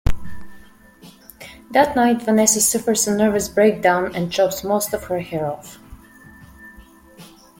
That night, Vanessa suffers a nervous breakdown and chops most of her hair off.